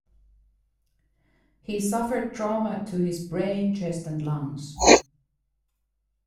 He suffered trauma to his brain, chest, and lungs.